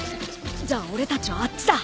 じゃ俺たちはあっちだ！